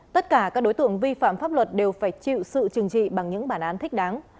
tất cả các đối tượng vi phạm pháp luật đều phải chịu sự trừng trị bằng những bản án thích đáng